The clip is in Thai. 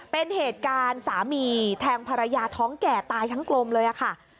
เป็นเหตุการณ์สามีแทงภรรยาท้องแก่ตายทั้งกลมเลยค่ะ